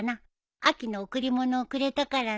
秋の贈り物をくれたからね。